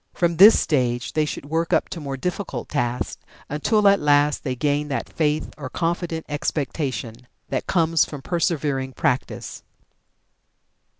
From this stage they should work up to more difficult tasks, until at last they gain that faith or confident expectation that comes from persevering practice.